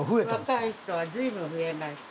若い人は随分見えました。